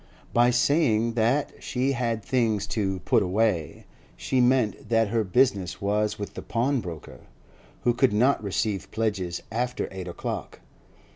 By saying that she had things 'to put away,' she meant that her business was with the pawnbroker, who could not receive pledges after eight o'clock.